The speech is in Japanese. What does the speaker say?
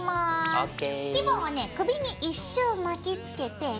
ＯＫ！